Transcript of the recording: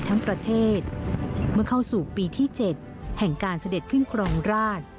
ทั้งประเทศเมื่อเข้าสู่ปีที่๗แห่งการเสด็จขึ้นครองราช